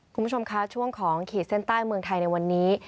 คุณผู้ชมคะช่วงของขีดเส้นใต้เมืองไทยในวันนี้